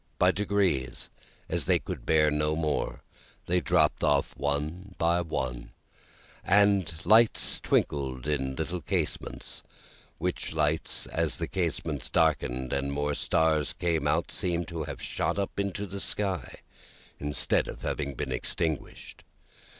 By degrees, as they could bear no more, they dropped off one by one, and lights twinkled in little casements; which lights, as the casements darkened, and more stars came out, seemed to have shot up into the sky instead of having been extinguished.